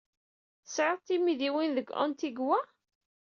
Tesɛid timidiwin deg Antigua?